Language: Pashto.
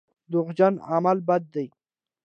دروغجن عمل بد دی.